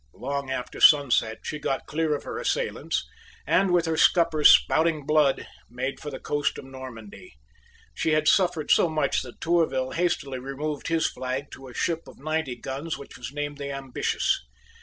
Long after sunset, she got clear of her assailants, and, with all her scuppers spouting blood, made for the coast of Normandy. She had suffered so much that Tourville hastily removed his flag to a ship of ninety guns which was named the Ambitious.